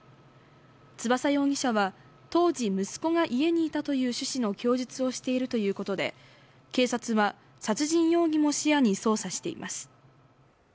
翼容疑者は、当時、息子が家にいたという趣旨の供述をしているということで、警察は殺人容疑も視野に捜査しています。